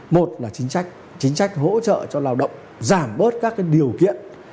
một là chính trách chính trách hỗ trợ cho lao động giảm bớt các điều kiện